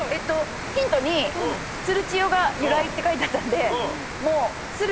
ヒントに「鶴千代が由来」って書いてあったんで。